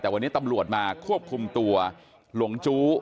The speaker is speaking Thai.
แต่วันนี้ตำรวจมาควบคุมตัวหลงจู้